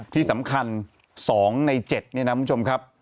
ที่สำคัญ๒ใน๗นี่นะคุณผู้ชมครับ